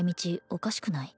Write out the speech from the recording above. おかしくない？